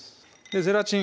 ゼラチン